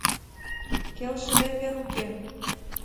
— Келшыде вер уке.